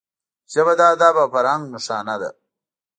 ژبه د ادب او فرهنګ نښانه ده